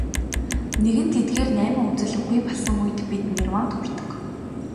Нэгэнт эдгээр найман үзэл үгүй болсон үед бид нирваанд хүрдэг.